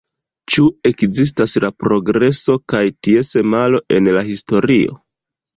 Ĉu ekzistas la progreso kaj ties malo en la historio?